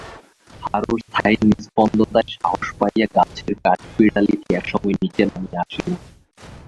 হারুর স্থায়ী নিম্পন্দতায় সাহস পাইয়া গাছের কাঠবিড়ালিটি একসময় নিচে নামিয়া আসিল।